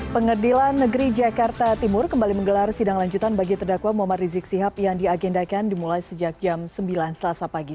pengadilan negeri jakarta timur kembali menggelar sidang lanjutan bagi terdakwa muhammad rizik sihab yang diagendakan dimulai sejak jam sembilan selasa pagi